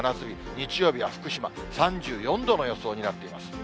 日曜日は福島３４度の予想になっています。